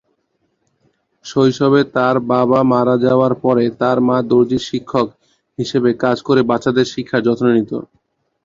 শৈশবে তার বাবা মারা যাওয়ার পরে তার মা দর্জি শিক্ষক হিসাবে কাজ করে বাচ্চাদের শিক্ষার যত্ন নিত।